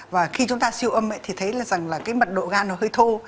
và khi chúng ta siêu âm thì thấy rằng là cái mật độ gan nó hơi thô